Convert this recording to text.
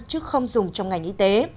chứ không dùng trong ngành y tế